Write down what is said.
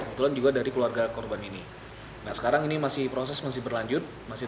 kebetulan juga dari keluarga korban ini nah sekarang ini masih proses masih berlanjut masih